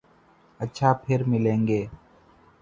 اچھا پھر ملیں گے۔